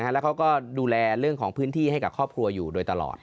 แล้วเขาก็ดูแลเรื่องของพื้นที่ให้กับครอบครัวอยู่โดยตลอด